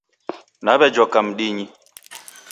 Nawejoka mdinyi